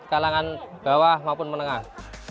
kalangan bawah maupun menengah